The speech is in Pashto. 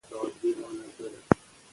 د پلی کیدو وړ قانون ټاکی ،